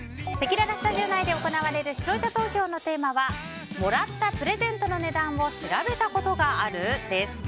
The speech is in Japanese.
せきららスタジオ内で行われる視聴者投票のテーマはもらったプレゼントの値段を調べたことがある？です。